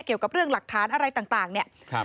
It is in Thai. เกี่ยวกับเรื่องหลักฐานอะไรต่างเนี่ย